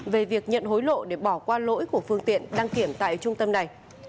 về việc nhận hối lộ để bỏ qua lỗi của phương tiện đăng kiểm tại trung tâm này